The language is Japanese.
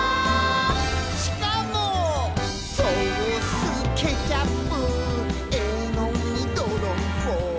「しかも」「ソースケチャップ絵の具にどろんこ」